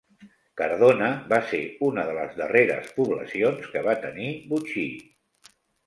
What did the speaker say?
Cardona va ser una de les darreres poblacions que va tenir botxí.